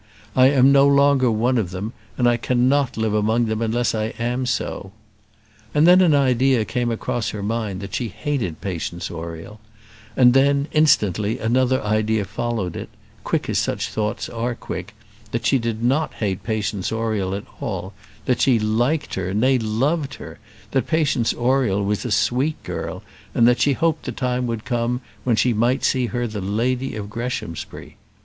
I am no longer one of them, and I cannot live among them unless I am so." And then an idea came across her mind that she hated Patience Oriel; and then, instantly another idea followed it quick as such thoughts are quick that she did not hate Patience Oriel at all; that she liked her, nay, loved her; that Patience Oriel was a sweet girl; and that she hoped the time would come when she might see her the lady of Greshamsbury.